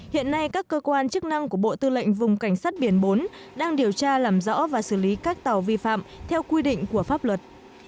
hiện nay các cơ quan chức năng của bộ tư lệnh vùng cảnh sát biển bốn đang điều tra làm rõ và xử lý các tàu vi phạm theo quy định của pháp luật